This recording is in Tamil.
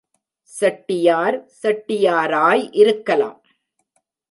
செட்டியார் செட்டியாராய் இருக்கலாம்.